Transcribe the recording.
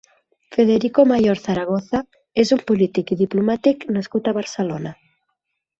Federico Mayor Zaragoza és un polític i diplomàtic nascut a Barcelona.